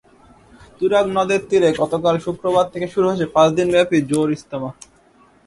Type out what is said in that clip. তুরাগ নদের তীরে গতকাল শুক্রবার থেকে শুরু হয়েছে পাঁচ দিনব্যাপী জোড় ইজতেমা।